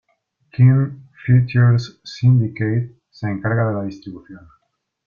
King Features Syndicate se encarga de la distribución.